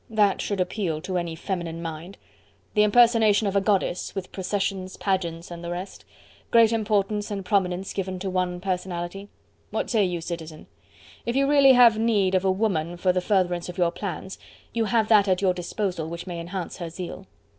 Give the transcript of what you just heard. That should appeal to any feminine mind. The impersonation of a goddess, with processions, pageants, and the rest... Great importance and prominence given to one personality.... What say you, Citizen? If you really have need of a woman for the furtherance of your plans, you have that at your disposal which may enhance her zeal."